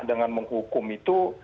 dengan menghukum itu